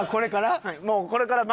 これから？